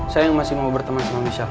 saya masih mau berteman sama michelle